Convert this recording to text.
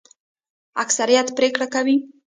اکثریت پریکړه کوي